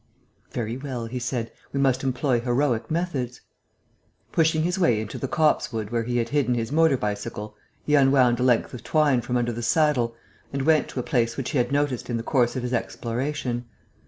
"Very well," he said. "We must employ heroic methods." Pushing his way into the copsewood where he had hidden his motor bicycle, he unwound a length of twine from under the saddle and went to a place which he had noticed in the course of his exploration.